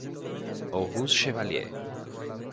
Auguste Chevalier.